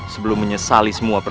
oh bagus pier